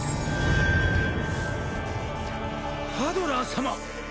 ハドラー様！